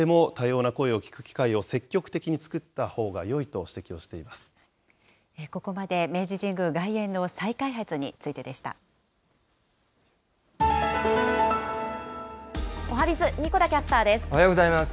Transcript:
今からでも、多様な声を聞く機会を積極的に作ったほうがよいと指摘をしていまここまで、明治神宮外苑の再おはＢｉｚ、神子田キャスタおはようございます。